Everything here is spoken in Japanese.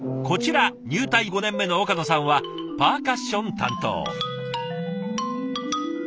こちら入隊５年目の岡野さんはパーカッション担当。